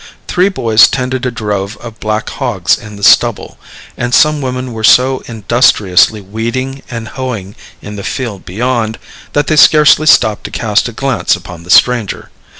Three boys tended a drove of black hogs in the stubble, and some women were so industriously weeding and hoeing in the field beyond, that they scarcely stopped to cast a glance upon the stranger.